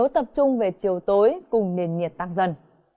tập trung về chiều tối cùng nền nhiệt tăng dần